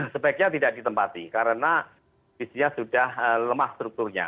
sebaiknya tidak ditempati karena isinya sudah lemah strukturnya